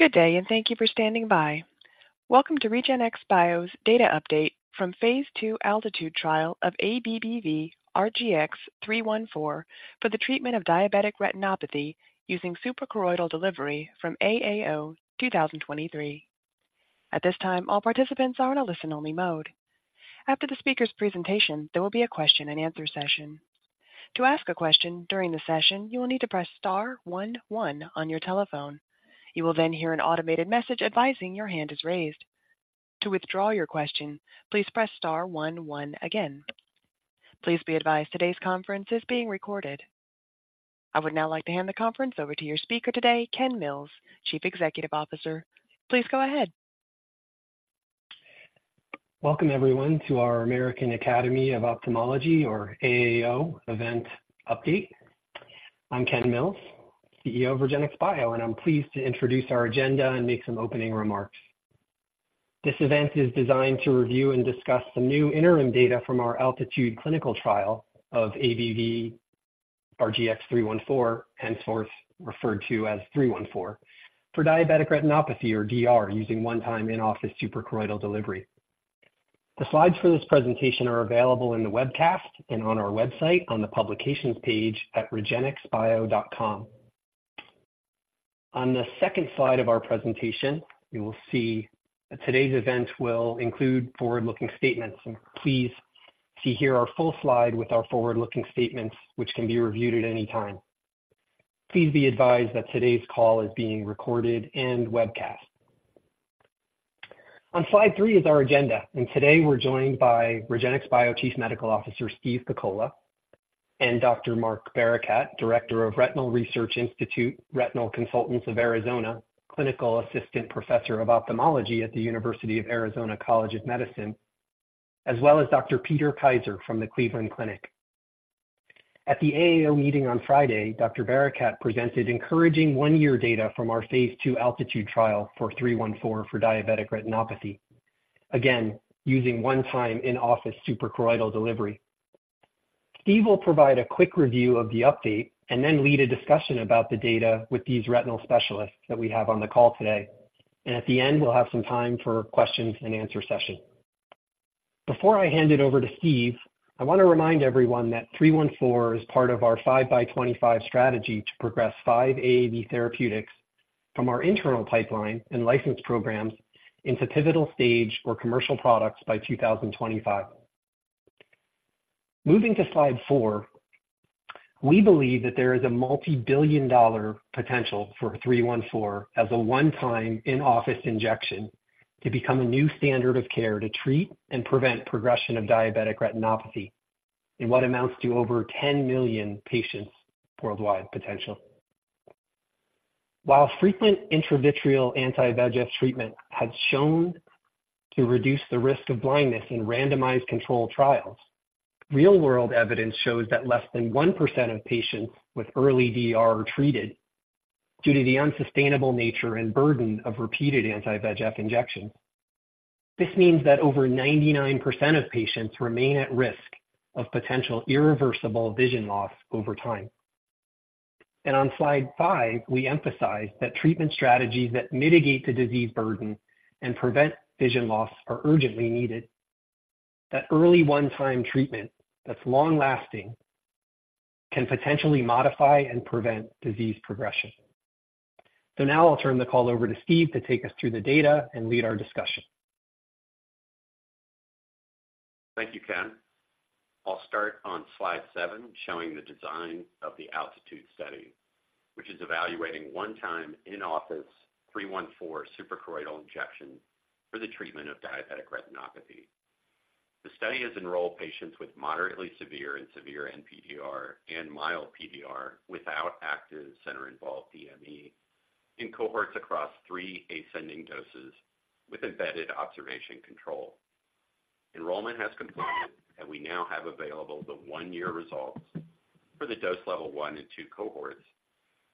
Good day, and thank you for standing by. Welcome to REGENXBIO's data update from phase 2 ALTITUDE trial of ABBV-RGX-314 for the treatment of diabetic retinopathy using suprachoroidal delivery from AAO 2023. At this time, all participants are in a listen-only mode. After the speaker's presentation, there will be a question-and-answer session. To ask a question during the session, you will need to press star one one on your telephone. You will then hear an automated message advising your hand is raised. To withdraw your question, please press star one one again. Please be advised today's conference is being recorded. I would now like to hand the conference over to your speaker today, Ken Mills, Chief Executive Officer. Please go ahead. Welcome, everyone, to our American Academy of Ophthalmology, or AAO, event update. I'm Ken Mills, CEO of REGENXBIO, and I'm pleased to introduce our agenda and make some opening remarks. This event is designed to review and discuss some new interim data from our ALTITUDE clinical trial of ABBV-RGX-314, henceforth referred to as three one four, for diabetic retinopathy, or DR, using one-time in-office suprachoroidal delivery. The slides for this presentation are available in the webcast and on our website on the Publications page at regenxbio.com. On the second slide of our presentation, you will see that today's event will include forward-looking statements. Please see here our full slide with our forward-looking statements, which can be reviewed at any time. Please be advised that today's call is being recorded and webcast. On slide 3 is our agenda, and today we're joined by REGENXBIO Chief Medical Officer, Steve Pakola, and Dr. Mark Barakat, Director of Retina Research Institute, Retina Consultants of Arizona, Clinical Assistant Professor of Ophthalmology at the University of Arizona College of Medicine, as well as Dr. Peter Kaiser from the Cleveland Clinic. At the AAO meeting on Friday, Dr. Barakat presented encouraging one-year data from our phase 2 ALTITUDE trial for 314 for diabetic retinopathy. Again, using one-time in-office suprachoroidal delivery. Steve will provide a quick review of the update and then lead a discussion about the data with these retinal specialists that we have on the call today. At the end, we'll have some time for questions and answer session. Before I hand it over to Steve, I want to remind everyone that 314 is part of our 5 by 25 strategy to progress five AAV therapeutics from our internal pipeline and licensed programs into pivotal stage or commercial products by 2025. Moving to slide 4, we believe that there is a multi-billion-dollar potential for 314 as a one-time in-office injection to become a new standard of care to treat and prevent progression of diabetic retinopathy in what amounts to over 10 million patients worldwide potential. While frequent intravitreal anti-VEGF treatment has shown to reduce the risk of blindness in randomized controlled trials, real-world evidence shows that less than 1% of patients with early DR are treated due to the unsustainable nature and burden of repeated anti-VEGF injections. This means that over 99% of patients remain at risk of potential irreversible vision loss over time. And on slide five, we emphasize that treatment strategies that mitigate the disease burden and prevent vision loss are urgently needed, that early one-time treatment that's long-lasting can potentially modify and prevent disease progression. So now I'll turn the call over to Steve to take us through the data and lead our discussion. Thank you, Ken. I'll start on slide 7, showing the design of the ALTITUDE study, which is evaluating one-time in-office 314 suprachoroidal injection for the treatment of diabetic retinopathy. The study has enrolled patients with moderately severe and severe NPDR and mild PDR without active center-involved DME in cohorts across 3 ascending doses with embedded observation control. Enrollment has completed, and we now have available the 1-year results for the dose level 1 and 2 cohorts,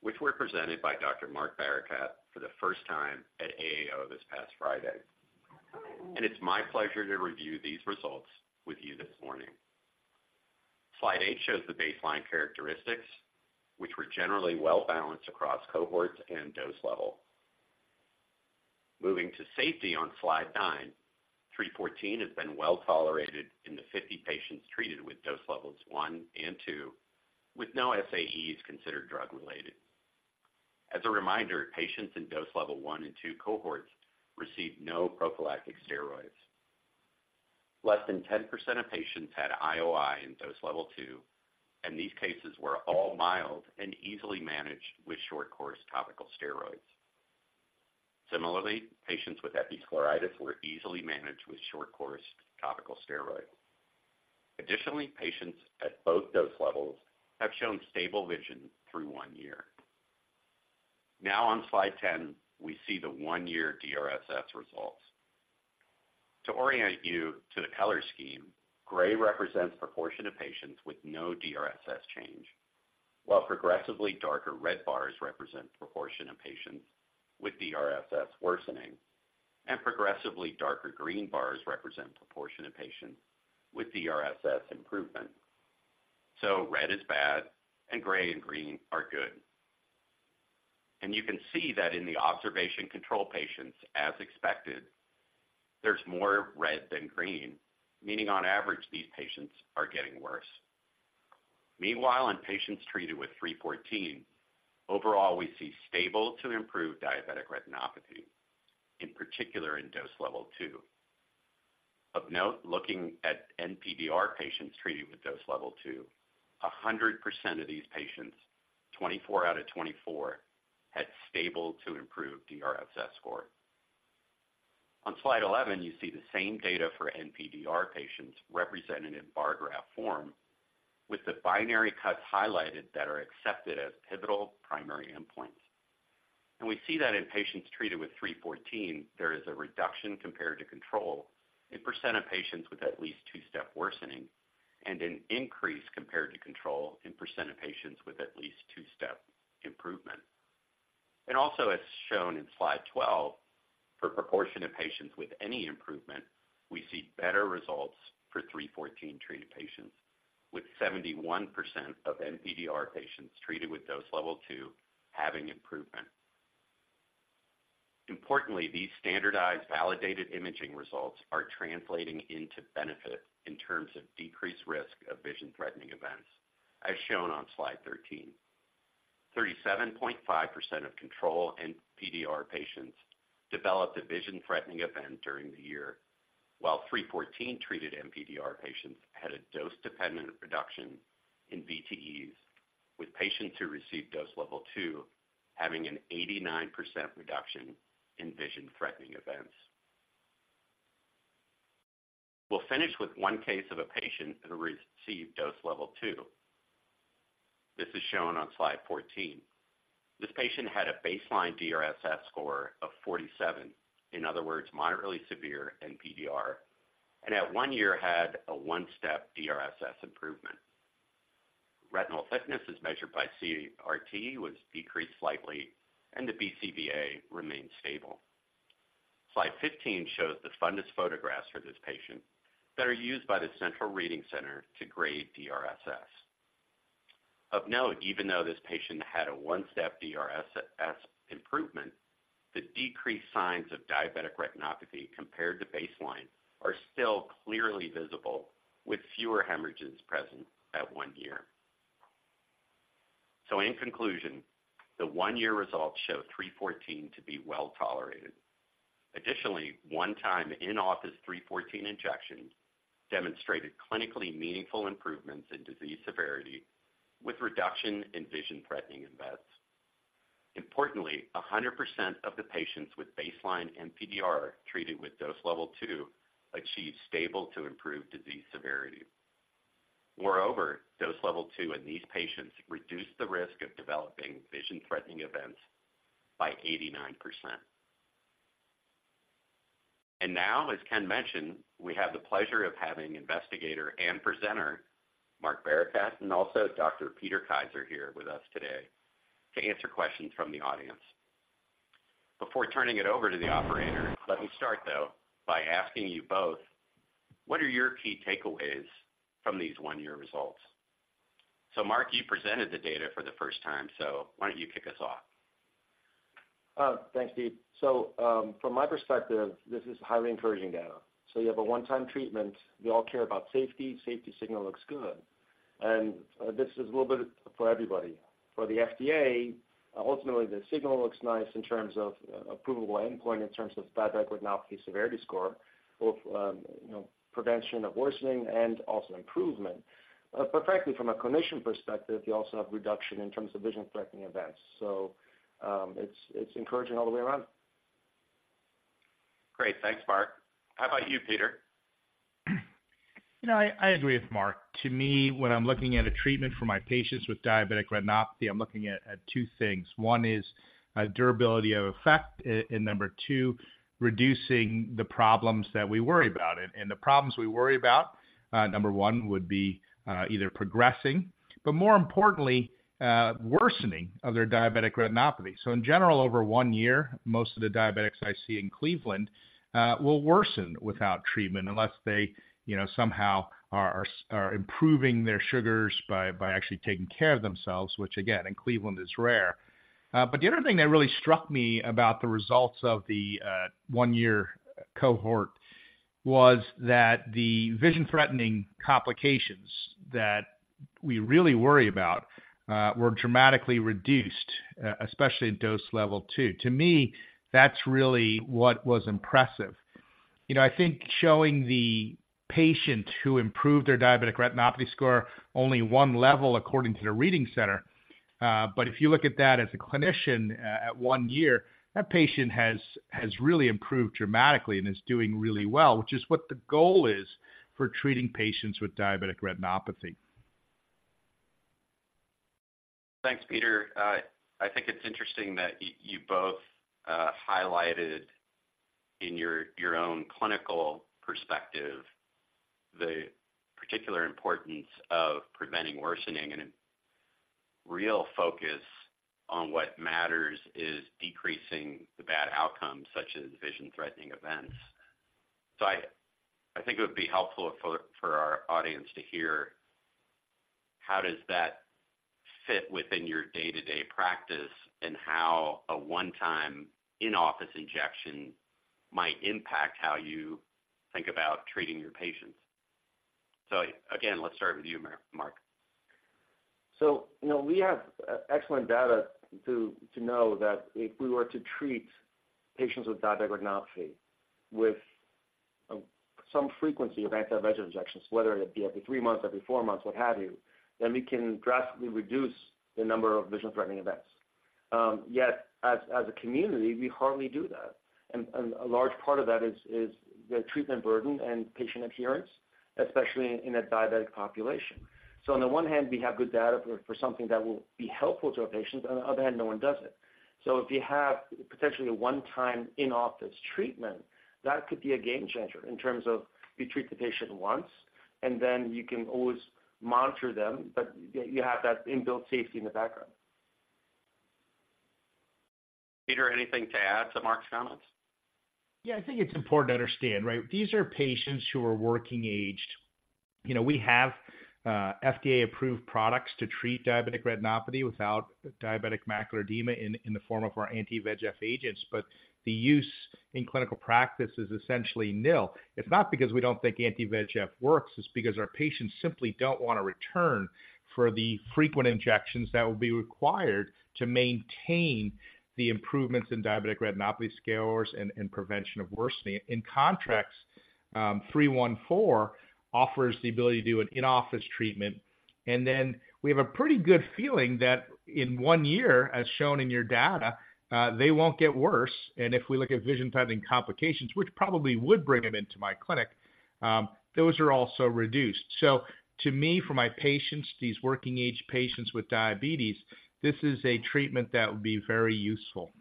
which were presented by Dr. Mark Barakat for the first time at AAO this past Friday. It's my pleasure to review these results with you this morning. Slide 8 shows the baseline characteristics, which were generally well-balanced across cohorts and dose level. Moving to safety on slide 9, three fourteen has been well tolerated in the 50 patients treated with dose levels 1 and 2, with no SAEs considered drug-related. As a reminder, patients in dose level 1 and 2 cohorts received no prophylactic steroids. Less than 10% of patients had IOI in dose level 2, and these cases were all mild and easily managed with short-course topical steroids. Similarly, patients with episcleritis were easily managed with short-course topical steroids. Additionally, patients at both dose levels have shown stable vision through 1 year. Now on slide 10, we see the 1-year DRSS results. To orient you to the color scheme, gray represents proportion of patients with no DRSS change, while progressively darker red bars represent proportion of patients with DRSS worsening, and progressively darker green bars represent proportion of patients with DRSS improvement. So red is bad, and gray and green are good. And you can see that in the observation control patients, as expected, there's more red than green, meaning on average, these patients are getting worse. Meanwhile, in patients treated with 314, overall, we see stable to improved diabetic retinopathy, in particular in dose level two. Of note, looking at NPDR patients treated with dose level two, 100% of these patients, 24 out of 24, had stable to improved DRSS score. On slide 11, you see the same data for NPDR patients represented in bar graph form, with the binary cuts highlighted that are accepted as pivotal primary endpoints. We see that in patients treated with 314, there is a reduction compared to control in percent of patients with at least two-step worsening and an increase compared to control in percent of patients with at least two-step improvement. And also, as shown in slide 12, for proportion of patients with any improvement, we see better results for 314 treated patients, with 71% of NPDR patients treated with dose level 2 having improvement. Importantly, these standardized, validated imaging results are translating into benefit in terms of decreased risk of vision-threatening events, as shown on slide 13. 37.5% of control NPDR patients developed a vision-threatening event during the year, while 314-treated NPDR patients had a dose-dependent reduction in VTEs, with patients who received dose level 2 having an 89% reduction in vision-threatening events. We'll finish with one case of a patient who received dose level 2. This is shown on slide 14. This patient had a baseline DRSS score of 47, in other words, moderately severe NPDR, and at 1 year had a 1-step DRSS improvement. Retinal thickness, as measured by CRT, was decreased slightly, and the BCVA remained stable. Slide 15 shows the fundus photographs for this patient that are used by the central reading center to grade DRSS. Of note, even though this patient had a 1-step DRSS improvement, the decreased signs of diabetic retinopathy compared to baseline are still clearly visible, with fewer hemorrhages present at 1 year. In conclusion, the 1-year results show 314 to be well-tolerated. Additionally, one-time in-office 314 injections demonstrated clinically meaningful improvements in disease severity with reduction in vision-threatening events. Importantly, 100% of the patients with baseline NPDR treated with dose level 2 achieved stable to improved disease severity. Moreover, dose level 2 in these patients reduced the risk of developing vision-threatening events by 89%. Now, as Ken mentioned, we have the pleasure of having investigator and presenter, Mark Barakat, and also Dr. Peter Kaiser here with us today to answer questions from the audience. Before turning it over to the operator, let me start, though, by asking you both, what are your key takeaways from these 1-year results? Mark, you presented the data for the first time, so why don't you kick us off? Thanks, Steve. From my perspective, this is highly encouraging data. You have a one-time treatment. We all care about safety. Safety signal looks good. This is a little bit for everybody. For the FDA, ultimately, the signal looks nice in terms of approvable endpoint, in terms of diabetic retinopathy severity score, both, you know, prevention of worsening and also improvement. But frankly, from a clinician perspective, you also have reduction in terms of vision-threatening events. It's encouraging all the way around. Great. Thanks, Mark. How about you, Peter? You know, I agree with Mark. To me, when I'm looking at a treatment for my patients with diabetic retinopathy, I'm looking at two things. One is durability of effect, and number two, reducing the problems that we worry about. And the problems we worry about, number one, would be either progressing, but more importantly, worsening of their diabetic retinopathy. So in general, over 1 year, most of the diabetics I see in Cleveland will worsen without treatment unless they, you know, somehow are improving their sugars by actually taking care of themselves, which again, in Cleveland, is rare. But the other thing that really struck me about the results of the 1-year cohort was that the vision-threatening complications that we really worry about were dramatically reduced, especially in dose level 2. To me, that's really what was impressive. You know, I think showing the patient who improved their diabetic retinopathy score only one level according to the reading center, but if you look at that as a clinician, at one year, that patient has really improved dramatically and is doing really well, which is what the goal is for treating patients with diabetic retinopathy. Thanks, Peter. I think it's interesting that you both highlighted in your own clinical perspective the particular importance of preventing worsening and real focus on what matters is decreasing the bad outcomes, such as vision-threatening events. So I think it would be helpful for our audience to hear how does that fit within your day-to-day practice, and how a one-time in-office injection might impact how you think about treating your patients? So again, let's start with you, Mark. So, you know, we have excellent data to know that if we were to treat patients with diabetic retinopathy with some frequency of anti-VEGF injections, whether it be every 3 months, every 4 months, what have you, then we can drastically reduce the number of vision-threatening events. Yet, as a community, we hardly do that. A large part of that is the treatment burden and patient adherence, especially in a diabetic population. On the one hand, we have good data for something that will be helpful to our patients, on the other hand, no one does it. If you have potentially a one-time in-office treatment, that could be a game changer in terms of you treat the patient once, and then you can always monitor them, but you have that inbuilt safety in the background. Peter, anything to add to Mark's comments? Yeah, I think it's important to understand, right? These are patients who are working-aged. You know, we have FDA-approved products to treat diabetic retinopathy without diabetic macular edema in, in the form of our anti-VEGF agents, but the use in clinical practice is essentially nil. It's not because we don't think anti-VEGF works, it's because our patients simply don't want to return for the frequent injections that will be required to maintain the improvements in diabetic retinopathy scores and, and prevention of worsening. In contrast, 314 offers the ability to do an in-office treatment, and then we have a pretty good feeling that in one year, as shown in your data, they won't get worse. And if we look at vision-threatening complications, which probably would bring them into my clinic, those are also reduced. To me, for my patients, these working-age patients with diabetes, this is a treatment that would be very useful.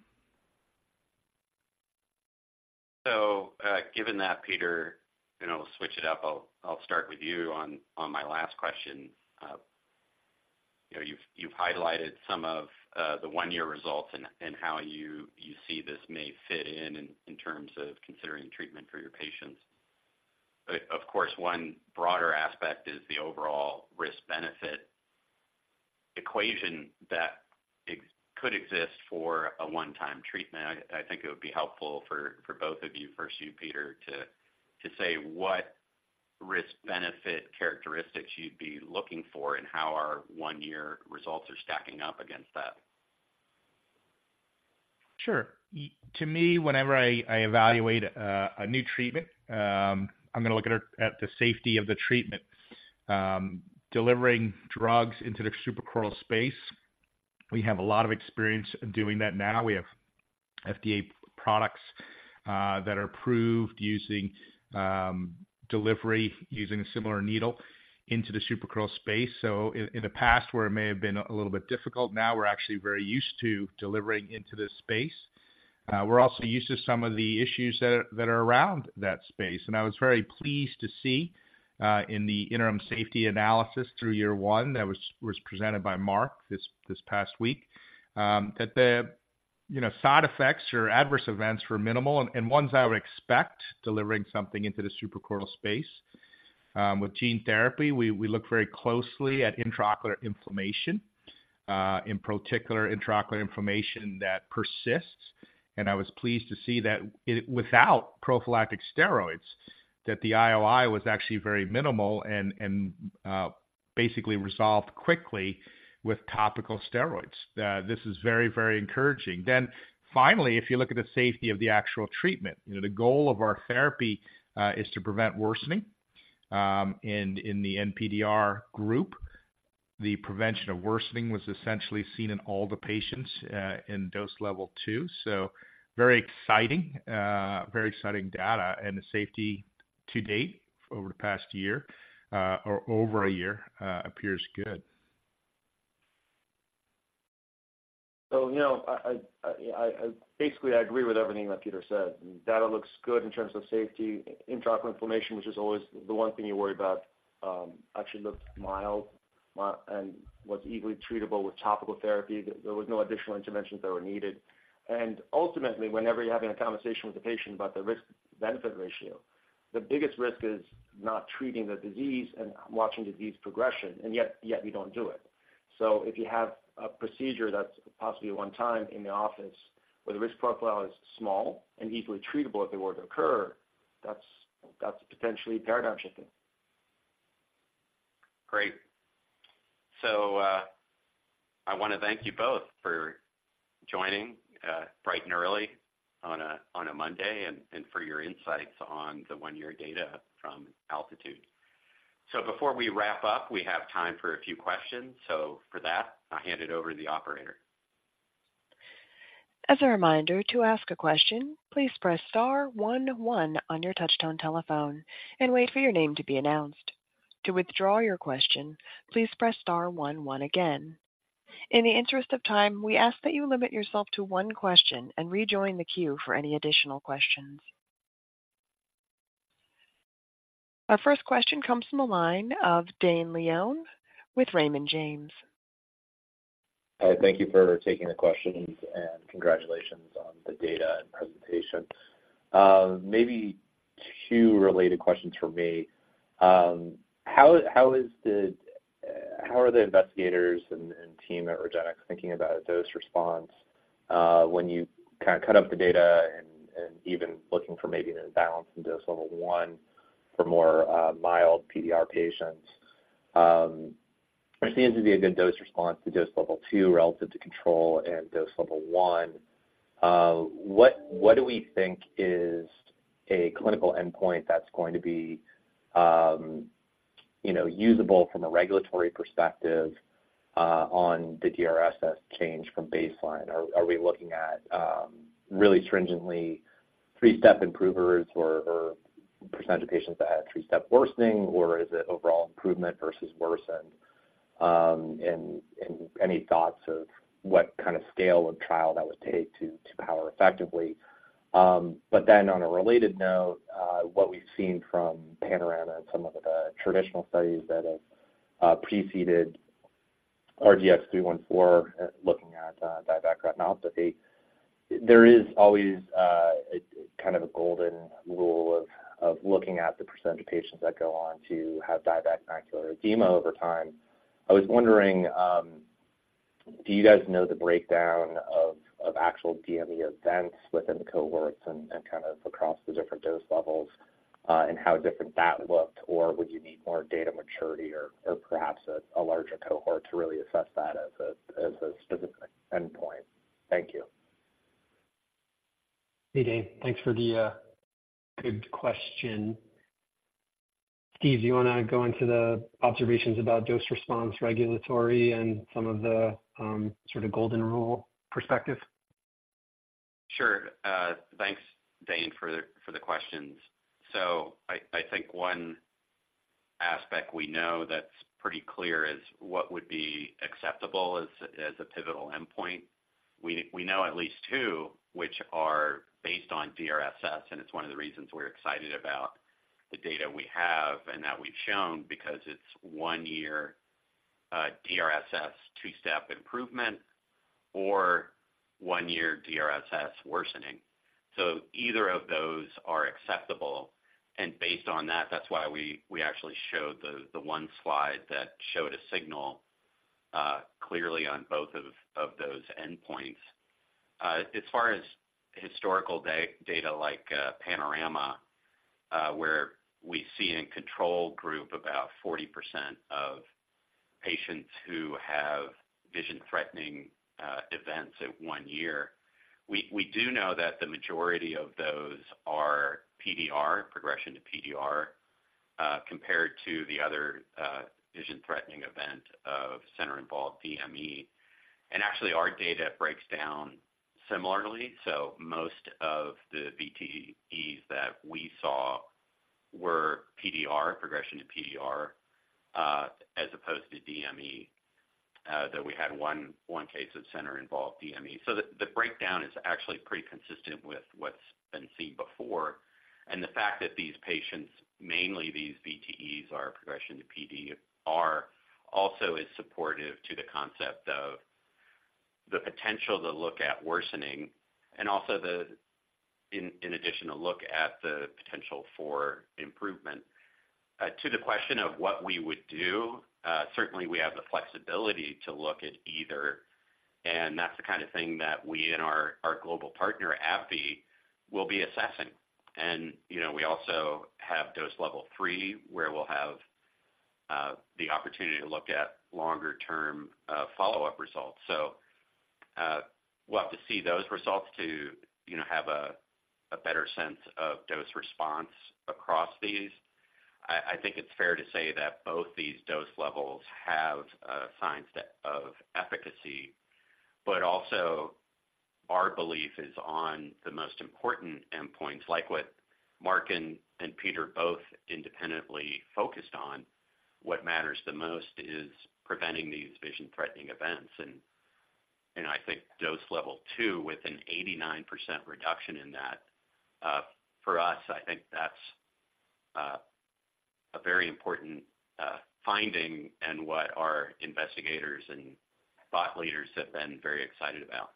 So, given that, Peter, and I'll switch it up, I'll start with you on my last question. You know, you've highlighted some of the one-year results and how you see this may fit in, in terms of considering treatment for your patients. But, of course, one broader aspect is the overall risk-benefit equation that could exist for a one-time treatment. I think it would be helpful for both of you, first you, Peter, to say what risk-benefit characteristics you'd be looking for and how our one-year results are stacking up against that. Sure. Yeah, to me, whenever I evaluate a new treatment, I'm going to look at the safety of the treatment. Delivering drugs into the suprachoroidal space, we have a lot of experience in doing that now. We have FDA products that are approved using delivery using a similar needle into the suprachoroidal space. So in the past, where it may have been a little bit difficult, now we're actually very used to delivering into this space. We're also used to some of the issues that are around that space, and I was very pleased to see in the interim safety analysis through year one that was presented by Mark this past week that the, you know, side effects or adverse events were minimal and ones I would expect, delivering something into the suprachoroidal space. With gene therapy, we look very closely at intraocular inflammation, in particular, intraocular inflammation that persists. And I was pleased to see that it without prophylactic steroids, that the IOI was actually very minimal and basically resolved quickly with topical steroids. This is very, very encouraging. Then finally, if you look at the safety of the actual treatment, you know, the goal of our therapy is to prevent worsening. And in the NPDR group, the prevention of worsening was essentially seen in all the patients in dose level 2. So very exciting, very exciting data, and the safety to date over the past year or over a year appears good. So, you know, basically, I agree with everything that Peter said. Data looks good in terms of safety. Intraocular inflammation, which is always the one thing you worry about, actually looks mild and was easily treatable with topical therapy. There was no additional interventions that were needed. And ultimately, whenever you're having a conversation with a patient about the risk-benefit ratio, the biggest risk is not treating the disease and watching disease progression, and yet we don't do it. So if you have a procedure that's possibly one time in the office, where the risk profile is small and easily treatable if they were to occur, that's potentially paradigm shifting. Great. So, I want to thank you both for joining, bright and early on a Monday and for your insights on the one-year data from ALTITUDE. So before we wrap up, we have time for a few questions. So for that, I'll hand it over to the operator. As a reminder, to ask a question, please press star one one on your touchtone telephone and wait for your name to be announced. To withdraw your question, please press star one one again. In the interest of time, we ask that you limit yourself to one question and rejoin the queue for any additional questions. Our first question comes from the line of Dane Leone with Raymond James. Hi, thank you for taking the questions, and congratulations on the data and presentation. Maybe two related questions from me. How, how is the, how are the investigators and, and team at REGENXBIO thinking about dose response, when you kind of cut up the data and, and even looking for maybe an imbalance in dose level one for more, mild PDR patients? There seems to be a good dose response to dose level two relative to control and dose level one. What, what do we think is a clinical endpoint that's going to be, you know, usable from a regulatory perspective, on the DRSS change from baseline? Are, are we looking at, really stringently three-step improvers or, or percentage of patients that had a three-step worsening, or is it overall improvement versus worsened? And any thoughts of what kind of scale of trial that would take to power effectively? But then on a related note, what we've seen from Panorama and some of the traditional studies that have preceded RGX-314, looking at diabetic retinopathy, there is always kind of a golden rule of looking at the percentage of patients that go on to have diabetic macular edema over time. I was wondering, do you guys know the breakdown of actual DME events within the cohorts and kind of across the different dose levels, and how different that looked? Or would you need more data maturity or perhaps a larger cohort to really assess that as a specific endpoint? Thank you. Hey, Dane. Thanks for the good question. Steve, do you want to go into the observations about dose response, regulatory, and some of the sort of golden rule perspective? Sure. Thanks, Dane, for the, for the questions. So I, I think one aspect we know that's pretty clear is what would be acceptable as, as a pivotal endpoint. We, we know at least two, which are based on DRSS, and it's one of the reasons we're excited about the data we have and that we've shown, because it's one year DRSS two-step improvement or one year DRSS worsening. So either of those are acceptable, and based on that, that's why we, we actually showed the, the one slide that showed a signal clearly on both of, of those endpoints. As far as historical data like Panorama, where we see in a control group, about 40% of patients who have vision-threatening events at one year, we do know that the majority of those are PDR, progression to PDR, compared to the other vision-threatening event of center-involved DME. And actually, our data breaks down similarly. So most of the VTEs that we saw were PDR, progression to PDR, as opposed to DME, though we had one case of center-involved DME. So the breakdown is actually pretty consistent with what's been seen before. And the fact that these patients, mainly these VTEs, are a progression to PDR, also is supportive to the concept of the potential to look at worsening and also, in addition, to look at the potential for improvement. To the question of what we would do, certainly we have the flexibility to look at either, and that's the kind of thing that we and our global partner, AbbVie, will be assessing. You know, we also have dose level three, where we'll have the opportunity to look at longer-term follow-up results. We'll have to see those results to, you know, have a better sense of dose response across these. I think it's fair to say that both these dose levels have signs of efficacy, but also our belief is on the most important endpoints, like what Mark and Peter both independently focused on. What matters the most is preventing these vision-threatening events. You know, I think dose level 2, with an 89% reduction in that, for us, I think that's a very important finding and what our investigators and thought leaders have been very excited about.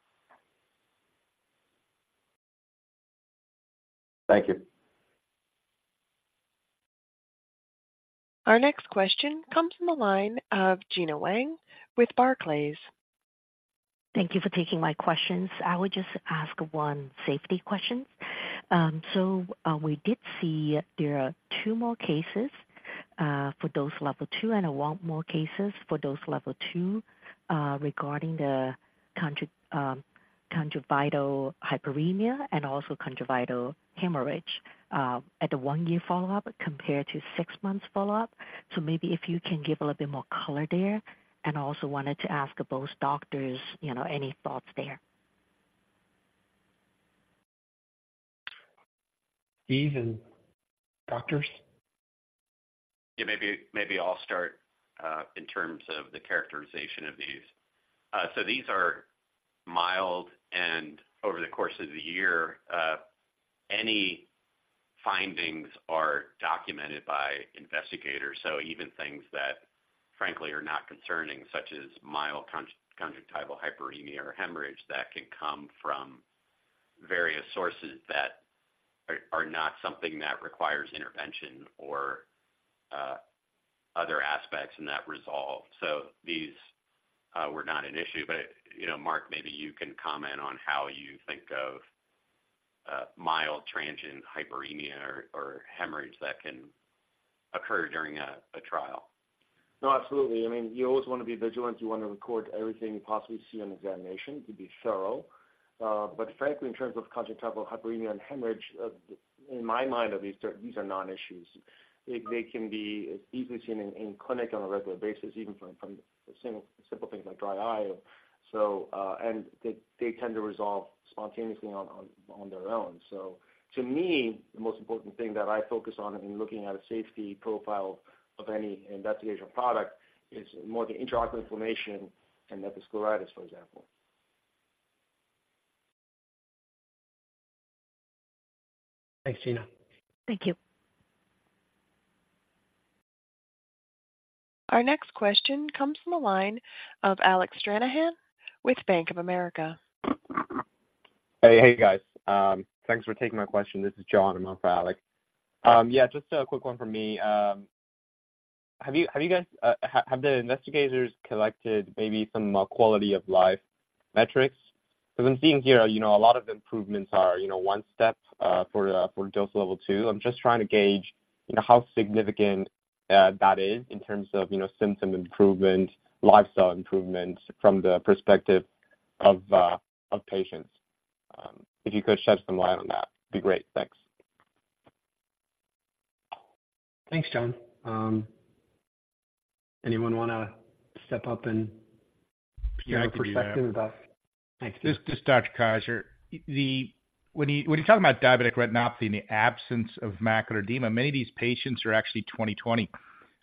Thank you. Our next question comes from the line of Gena Wang with Barclays. Thank you for taking my questions. I would just ask one safety question. So, we did see there are two more cases for dose level two and one more cases for dose level two regarding the conjunctival hyperemia and also conjunctival hemorrhage at the one-year follow-up compared to six months follow-up. So maybe if you can give a little bit more color there. And also wanted to ask both doctors, you know, any thoughts there? Steve and doctors? ... Yeah, maybe I'll start in terms of the characterization of these. So these are mild, and over the course of the year, any findings are documented by investigators. So even things that frankly are not concerning, such as mild conjunctival hyperemia or hemorrhage, that can come from various sources that are not something that requires intervention or other aspects in that resolve. So these were not an issue. But, you know, Mark, maybe you can comment on how you think of mild transient hyperemia or hemorrhage that can occur during a trial. No, absolutely. I mean, you always want to be vigilant. You want to record everything you possibly see on examination to be thorough. But frankly, in terms of conjunctival hyperemia and hemorrhage, in my mind, these are, these are non-issues. They, they can be easily seen in, in clinic on a regular basis, even from, from simple things like dry eye. So, and they, they tend to resolve spontaneously on, on, on their own. So to me, the most important thing that I focus on in looking at a safety profile of any investigational product is more the intraocular inflammation and episcleritis, for example. Thanks, Gina. Thank you. Our next question comes from the line of Alec Stranahan with Bank of America. Hey, hey, guys. Thanks for taking my question. This is John. I'm on for Alex. Yeah, just a quick one from me. Have the investigators collected maybe some quality of life metrics? Because I'm seeing here, you know, a lot of improvements are, you know, one step for dose level two. I'm just trying to gauge, you know, how significant that is in terms of, you know, symptom improvement, lifestyle improvements from the perspective of patients. If you could shed some light on that, be great. Thanks. Thanks, John. Anyone want to step up and- Yeah, I can do that. Give a perspective about... Thanks. This is Dr. Kaiser. When you're talking about diabetic retinopathy in the absence of macular edema, many of these patients are actually 20/20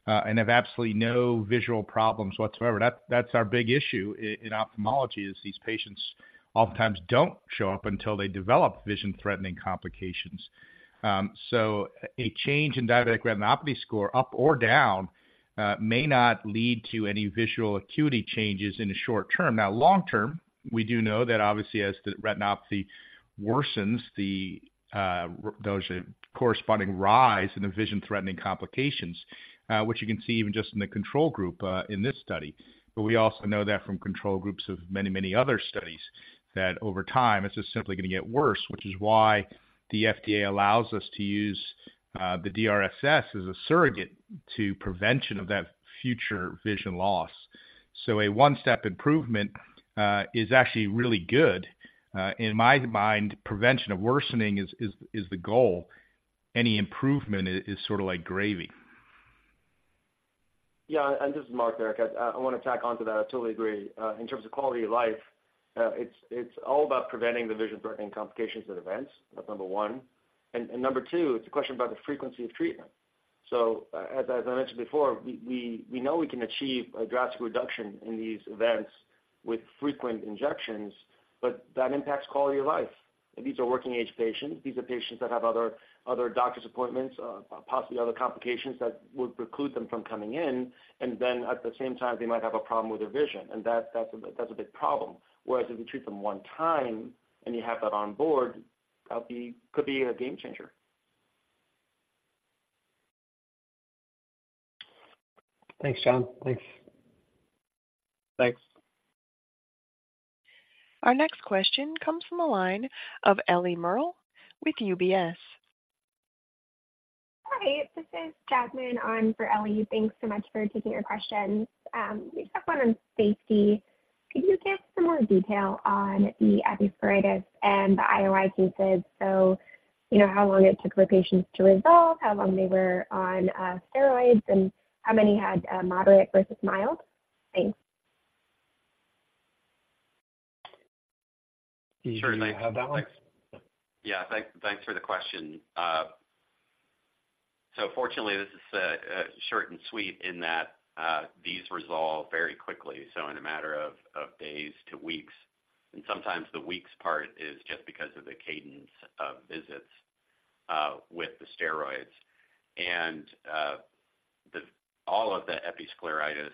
and have absolutely no visual problems whatsoever. That's our big issue in ophthalmology is these patients oftentimes don't show up until they develop vision-threatening complications. So a change in diabetic retinopathy score, up or down, may not lead to any visual acuity changes in the short term. Now, long term, we do know that obviously as the retinopathy worsens, there's a corresponding rise in the vision-threatening complications, which you can see even just in the control group in this study. But we also know that from control groups of many, many other studies, that over time, it's just simply going to get worse, which is why the FDA allows us to use the DRSS as a surrogate to prevention of that future vision loss. So a one-step improvement is actually really good. In my mind, prevention of worsening is the goal. Any improvement is sort of like gravy. Yeah, and this is Mark Barakat. I want to tack on to that. I totally agree. In terms of quality of life, it's all about preventing the vision-threatening complications and events. That's number one. And number two, it's a question about the frequency of treatment. So as I mentioned before, we know we can achieve a drastic reduction in these events with frequent injections, but that impacts quality of life. These are working age patients. These are patients that have other doctor's appointments, possibly other complications that would preclude them from coming in. And then at the same time, they might have a problem with their vision, and that's a big problem. Whereas if you treat them one time and you have that on board, that would be - could be a game changer. Thanks, John. Thanks. Thanks. Our next question comes from the line of Ellie Merle with UBS. Hi, this is Jasmine on for Ellie. Thanks so much for taking our questions. We just have one on safety. Could you give some more detail on the episcleritis and the IOI cases? So, you know, how long it took for patients to resolve, how long they were on steroids, and how many had moderate versus mild? Thanks. Sure. You may have that one. Yeah. Thanks for the question. So fortunately, this is short and sweet in that these resolve very quickly. So in a matter of days to weeks, and sometimes the weeks part is just because of the cadence of visits with the steroids. And all of the episcleritis,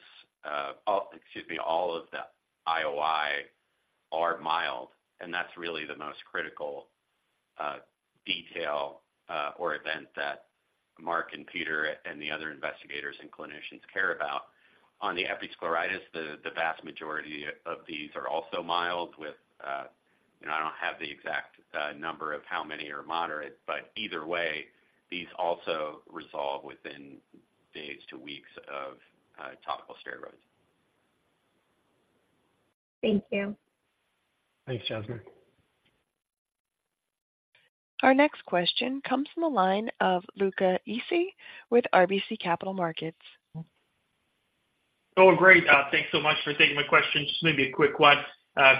oh, excuse me, all of the IOI are mild, and that's really the most critical detail or event that Mark and Peter and the other investigators and clinicians care about. On the episcleritis, the vast majority of these are also mild with, you know, I don't have the exact number of how many are moderate, but either way, these also resolve within days to weeks of topical steroids. Thank you. Thanks, Jasmine. Our next question comes from the line of Luca Issi with RBC Capital Markets.... Oh, great! Thanks so much for taking my question. Just maybe a quick one.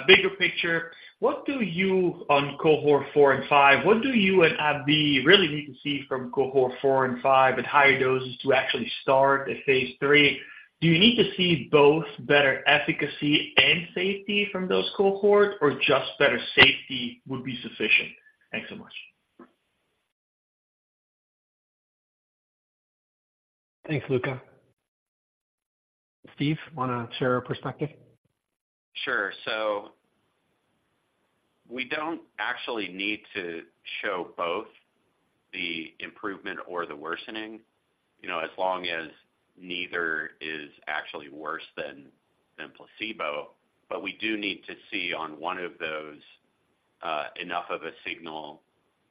Bigger picture, what do you on cohort 4 and 5, what do you and AbbVie really need to see from cohort 4 and 5 at higher doses to actually start a phase 3? Do you need to see both better efficacy and safety from those cohorts, or just better safety would be sufficient? Thanks so much. Thanks, Luca. Steve, want to share a perspective? Sure. So we don't actually need to show both the improvement or the worsening, you know, as long as neither is actually worse than than placebo. But we do need to see on one of those enough of a signal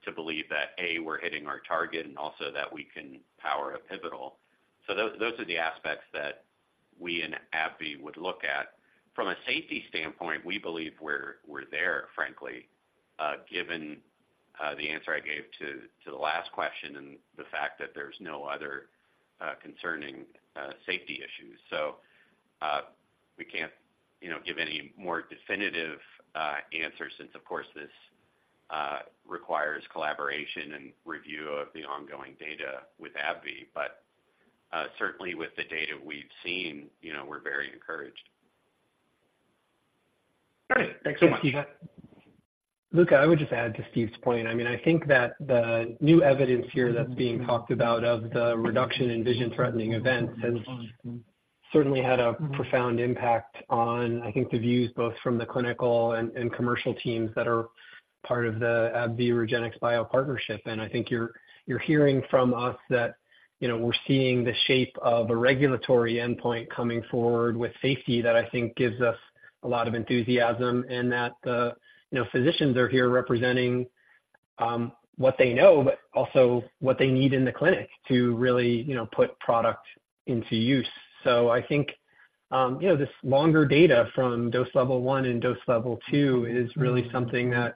to believe that, A, we're hitting our target and also that we can power a pivotal. So those are the aspects that we and AbbVie would look at. From a safety standpoint, we believe we're there, frankly, given the answer I gave to the last question and the fact that there's no other concerning safety issues. So we can't, you know, give any more definitive answer since, of course, this requires collaboration and review of the ongoing data with AbbVie. But certainly with the data we've seen, you know, we're very encouraged. Great. Thanks so much. Luca, I would just add to Steve's point. I mean, I think that the new evidence here that's being talked about of the reduction in vision-threatening events has certainly had a profound impact on, I think, the views both from the clinical and, and commercial teams that are part of the AbbVie-REGENXBIO partnership. And I think you're, you're hearing from us that, you know, we're seeing the shape of a regulatory endpoint coming forward with safety that I think gives us a lot of enthusiasm, and that the, you know, physicians are here representing what they know, but also what they need in the clinic to really, you know, put product into use. I think, you know, this longer data from dose level 1 and dose level 2 is really something that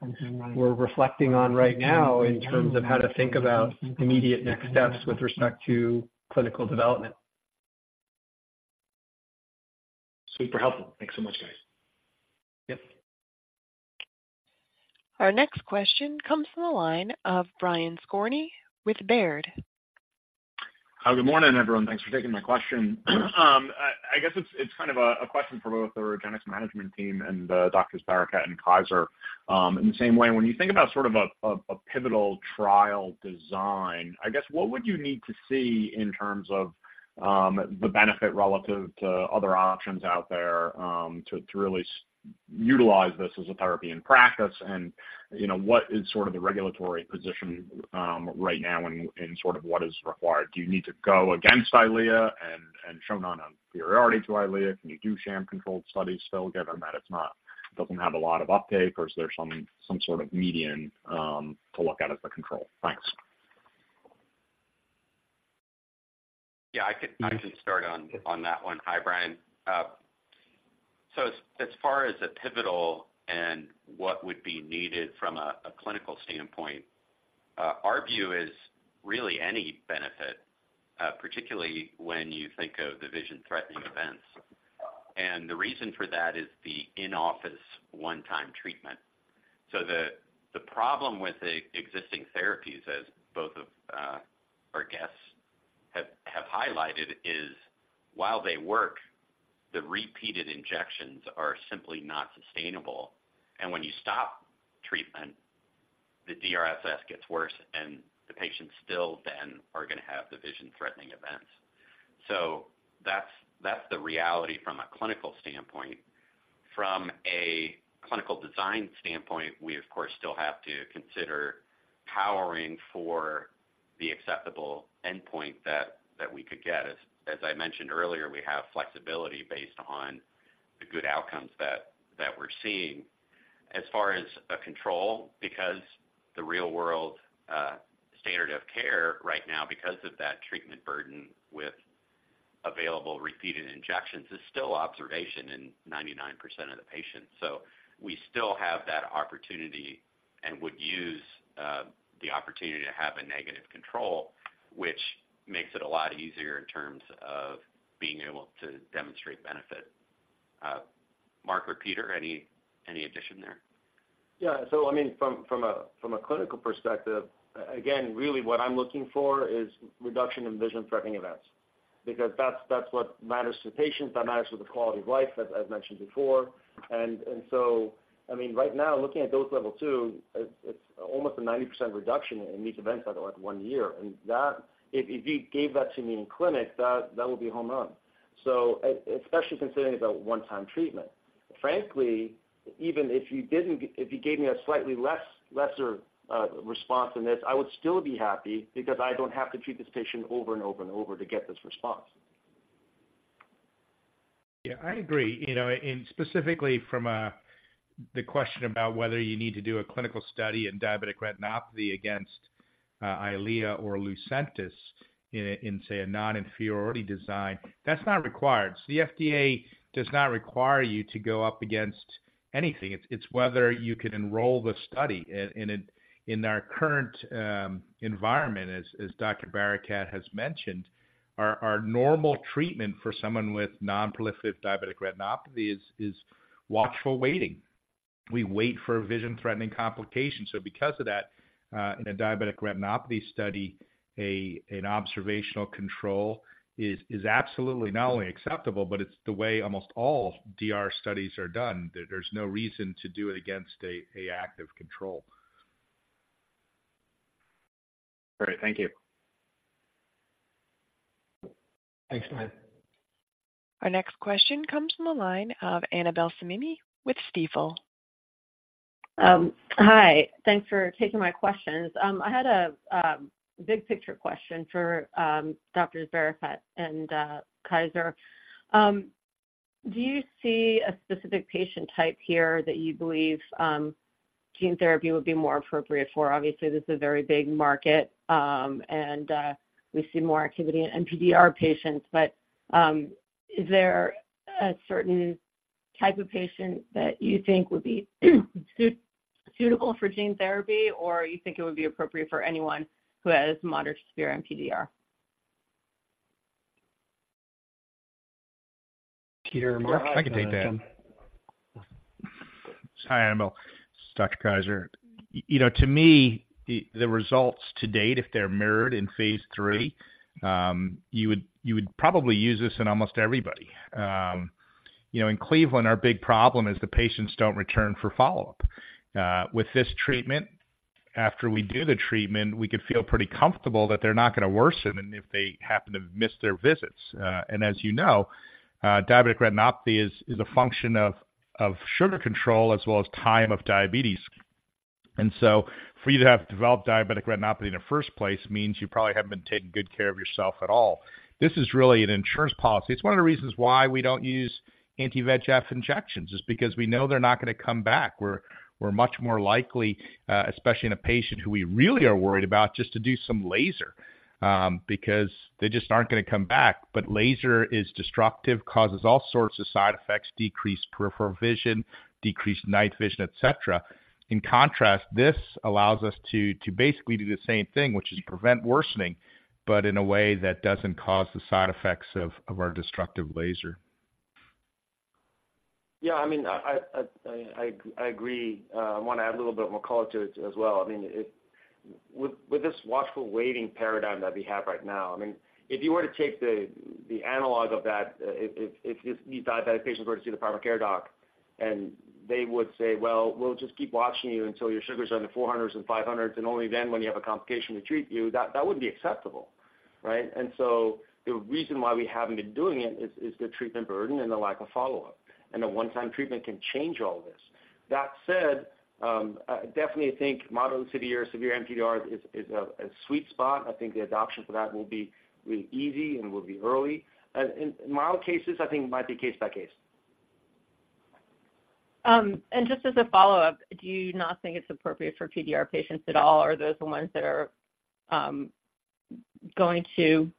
we're reflecting on right now in terms of how to think about immediate next steps with respect to clinical development. Super helpful. Thanks so much, guys. Yep. Our next question comes from the line of Brian Skorney with Baird. Hi, good morning, everyone. Thanks for taking my question. I guess it's kind of a question for both the REGENXBIO management team and Doctors Barakat and Kaiser. In the same way, when you think about sort of a pivotal trial design, I guess what would you need to see in terms of the benefit relative to other options out there to really utilize this as a therapy in practice? You know, what is sort of the regulatory position right now and sort of what is required? Do you need to go against EYLEA and show non-inferiority to EYLEA? Can you do sham-controlled studies still, given that it doesn't have a lot of uptake, or is there some sort of median to look at as a control? Thanks. Yeah, I can start on that one. Hi, Brian. So as far as the pivotal and what would be needed from a clinical standpoint, our view is really any benefit, particularly when you think of the vision-threatening events. And the reason for that is the in-office one-time treatment. So the problem with the existing therapies, as both of our guests have highlighted, is while they work, the repeated injections are simply not sustainable. And when you stop treatment, the DRSS gets worse, and the patients still then are going to have the vision-threatening events. So that's the reality from a clinical standpoint. From a clinical design standpoint, we, of course, still have to consider powering for the acceptable endpoint that we could get. As I mentioned earlier, we have flexibility based on the good outcomes that we're seeing. As far as a control, because the real-world standard of care right now, because of that treatment burden with available repeated injections, is still observation in 99% of the patients. So we still have that opportunity and would use the opportunity to have a negative control, which makes it a lot easier in terms of being able to demonstrate benefit. Mark or Peter, any addition there? Yeah. So I mean, from a clinical perspective, again, really what I'm looking for is reduction in vision-threatening events, because that's what matters to patients, that matters to the quality of life, as I've mentioned before. And so, I mean, right now, looking at dose level two, it's almost a 90% reduction in these events at, like, one year. And that. If you gave that to me in clinic, that would be a home run. So especially considering it's a one-time treatment. Frankly, even if you didn't, if you gave me a slightly lesser response than this, I would still be happy because I don't have to treat this patient over and over and over to get this response. Yeah, I agree. You know, and specifically from the question about whether you need to do a clinical study in diabetic retinopathy against EYLEA or Lucentis in, say, a non-inferiority design, that's not required. So the FDA does not require you to go up against-... anything. It's whether you can enroll the study in our current environment, as Dr. Barakat has mentioned, our normal treatment for someone with non-proliferative diabetic retinopathy is watchful waiting. We wait for vision-threatening complications. So because of that, in a diabetic retinopathy study, an observational control is absolutely not only acceptable, but it's the way almost all DR studies are done. There's no reason to do it against an active control. All right, thank you. Thanks, Mike. Our next question comes from the line of Annabel Samimy with Stifel. Hi, thanks for taking my questions. I had a big picture question for Doctors Barakat and Kaiser. Do you see a specific patient type here that you believe gene therapy would be more appropriate for? Obviously, this is a very big market, and we see more activity in NPDR patients, but is there a certain type of patient that you think would be suitable for gene therapy, or you think it would be appropriate for anyone who has moderate severe NPDR? Peter, Mark? I can take that. Hi, Annabel. This is Dr. Kaiser. You know, to me, the results to date, if they're mirrored in phase III, you would probably use this in almost everybody. You know, in Cleveland, our big problem is the patients don't return for follow-up. With this treatment, after we do the treatment, we could feel pretty comfortable that they're not going to worsen, and if they happen to miss their visits. And as you know, diabetic retinopathy is a function of sugar control as well as time of diabetes. And so for you to have developed diabetic retinopathy in the first place means you probably haven't been taking good care of yourself at all. This is really an insurance policy. It's one of the reasons why we don't use anti-VEGF injections is because we know they're not going to come back. We're much more likely, especially in a patient who we really are worried about, just to do some laser, because they just aren't going to come back. But laser is destructive, causes all sorts of side effects, decreased peripheral vision, decreased night vision, et cetera. In contrast, this allows us to basically do the same thing, which is prevent worsening, but in a way that doesn't cause the side effects of our destructive laser. Yeah, I mean, I agree. I want to add a little bit more color to it as well. I mean, it with this watchful waiting paradigm that we have right now, I mean, if you were to take the analog of that, if these diabetic patients were to see the primary care doc, and they would say, "Well, we'll just keep watching you until your sugar is under 400s and 500s, and only then when you have a complication, we treat you," that wouldn't be acceptable, right? And so the reason why we haven't been doing it is the treatment burden and the lack of follow-up, and a one-time treatment can change all this. That said, I definitely think moderate severity or severe NPDR is a sweet spot. I think the adoption for that will be really easy and will be early. In mild cases, I think it might be case by case. Just as a follow-up, do you not think it's appropriate for PDR patients at all, or are those the ones that are going to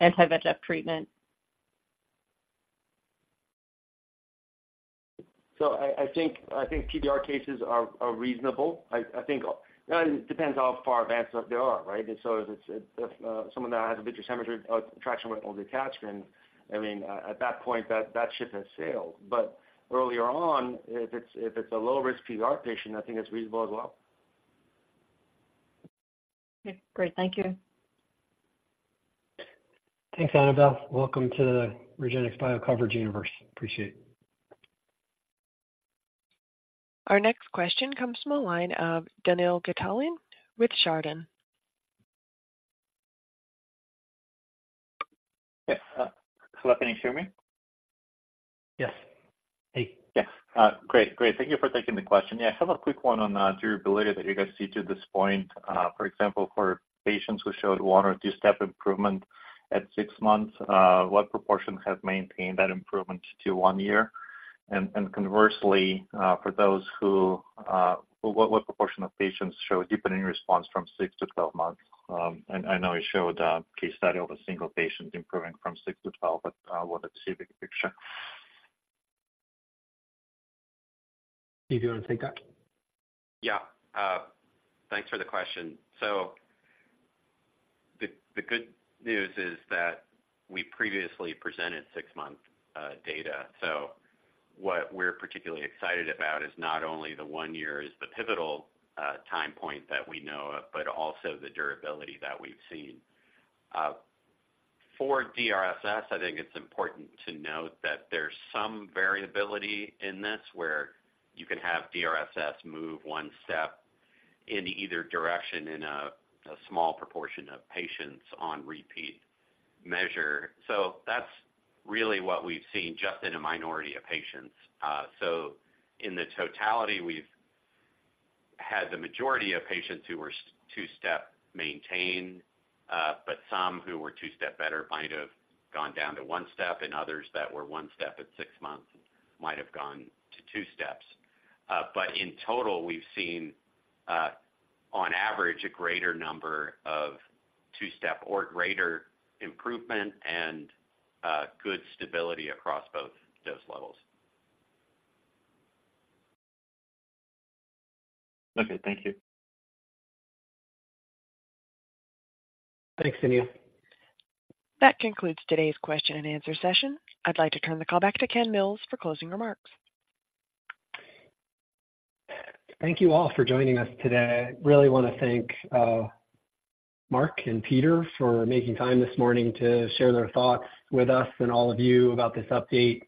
anti-VEGF treatment? So I think PDR cases are reasonable. I think it depends how far advanced they are, right? And so if it's someone that has a vitreous hemorrhage or tractional retinal detachment, I mean, at that point, that ship has sailed. But earlier on, if it's a low-risk PDR patient, I think it's reasonable as well. Okay, great. Thank you. Thanks, Annabel. Welcome to the REGENXBIO coverage universe. Appreciate it. Our next question comes from the line of Daniil Gataulin with Chardan. Yes, hello, can you hear me? Yes. Hey. Yes, great, great. Thank you for taking the question. Yeah, I have a quick one on, durability that you guys see to this point. For example, for patients who showed 1 or 2-step improvement at 6 months, what proportion has maintained that improvement to 1 year? And conversely, for those who, what proportion of patients show a deepening response from 6 to 12 months? And I know you showed a case study of a single patient improving from 6 to 12, but, what is the big picture? Steve, do you want to take that? Yeah, thanks for the question. So the good news is that we previously presented six-month data. So what we're particularly excited about is not only the one year is the pivotal time point that we know of, but also the durability that we've seen. For DRSS, I think it's important to note that there's some variability in this, where you can have DRSS move one step in either direction in a small proportion of patients on repeat measure. So that's really what we've seen just in a minority of patients. So in the totality, we've had the majority of patients who were two-step maintain, but some who were two-step better might have gone down to one step, and others that were one step at six months might have gone to two steps. But in total, we've seen, on average, a greater number of two-step or greater improvement and good stability across both dose levels. Okay. Thank you. Thanks, Daniil. That concludes today's question and answer session. I'd like to turn the call back to Ken Mills for closing remarks. Thank you all for joining us today. I really want to thank, Mark and Peter for making time this morning to share their thoughts with us and all of you about this update.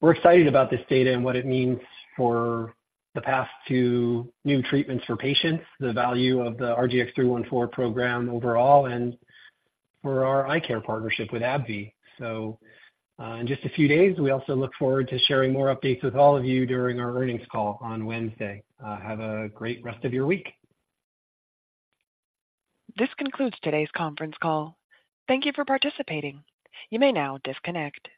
We're excited about this data and what it means for the path to new treatments for patients, the value of the RGX-314 program overall, and for our eye care partnership with AbbVie. In just a few days, we also look forward to sharing more updates with all of you during our earnings call on Wednesday. Have a great rest of your week. This concludes today's conference call. Thank you for participating. You may now disconnect.